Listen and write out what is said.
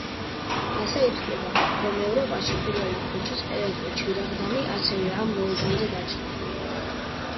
ასევე ითვლება, რომ ევროპაში პირველი ქუჩის ელექტრო ჩირაღდანი ასევე ამ მოედანზე გაჩნდა.